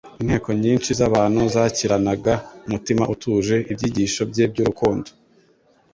Inteko nyinshi z'abantu zakiranaga umutima utuje ibyigisho bye by'urukundo